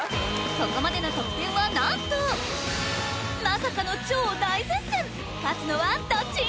ここまでの得点は何とまさかの超大接戦勝つのはどっち！？